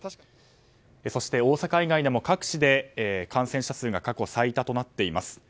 そして大阪以外でも各地で感染者数が過去最多となっています。